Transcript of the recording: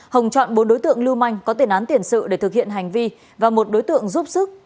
hồng chọn bốn đối tượng lưu manh có tiền án tiền sự để thực hiện hành vi và một đối tượng giúp sức